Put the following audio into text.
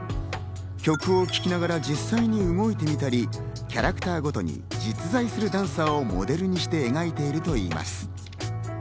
曲を聴きながら実際に動いてみたり、キャラクターごとに実在するダンサーをモデルにして描いているといいます。